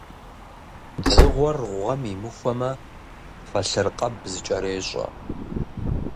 Дзыгъуэр гъуэм имыхуэмэ, фэлъыркъэб зыкӀэрещӀэ.